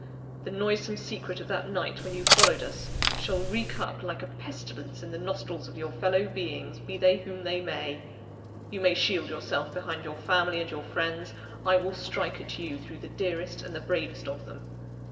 The noisome secret of that night when you followed us, shall reek up like a pestilence in the nostrils of your fellow beings, be they whom they may. You may shield yourself behind your family and your friends I will strike at you through the dearest and the bravest of them!